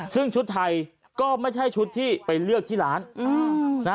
ซึ่งชุดไทยก็ไม่ใช่ชุดที่ไปเลือกที่ร้าน